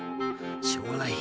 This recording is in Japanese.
しょうがない。